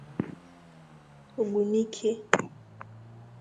Ogbunike